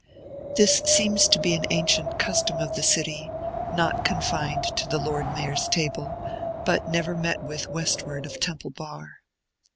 This seems to be an ancient custom of the city, not confined to the Lord Mayor's table, but never met with westward of Temple Bar.